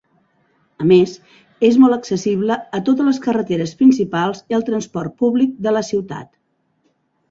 A més, és molt accessible a totes les carreteres principals i al transport públic de la ciutat.